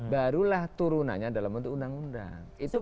barulah turunannya dalam bentuk undang undang